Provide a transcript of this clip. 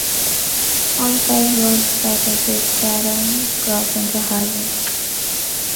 All five roads that exit Chatham cross into Harwich.